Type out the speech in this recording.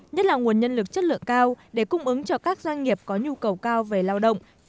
nhất là nguồn nhân lực chất lượng cao để cung ứng cho các doanh nghiệp có nhu cầu cao về lao động